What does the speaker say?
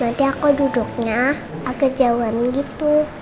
tadi aku duduknya agak jauhan gitu